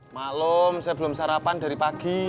maklum saya belom sarapan dari pagi